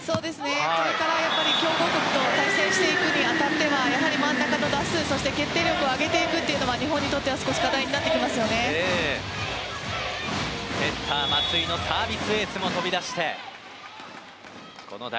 これから強豪国と対戦するにあたってやはり真ん中の打数、決定力を上げていくというのが日本にとってセッターの松井のサービスエースも飛び出した。